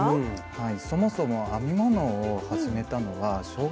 はい。